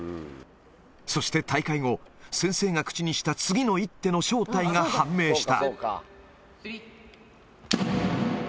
そして大会後、先生が口にした次の一手の正体が判明した。